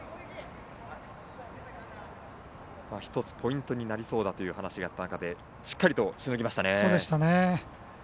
１つポイントになりそうだという話があった中でしっかりと、しのぎました。